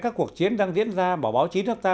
các cuộc chiến đang diễn ra mà báo chí nước ta